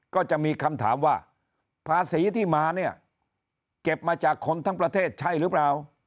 ก็จะมีคำถามว่าภาษีที่มาเนี่ยเก็บมาจากคนทั้งประเทศใช่หรือเปล่า